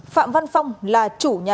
phạm văn phong là chủ nhật